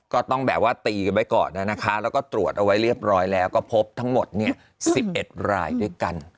ก็ต้องแบบว่าตีกันไว้ก่อนนะคะแล้วก็ตรวจเอาไว้เรียบร้อยแล้วก็พบทั้งหมด๑๑รายด้วยกัน